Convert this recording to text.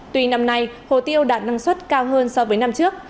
tuy năm nay hồ tiêu đạt năng suất cao hơn so với năm trước